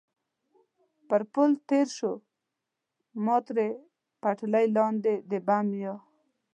پر پل تېر شو، ما تر پټلۍ لاندې د بم یا.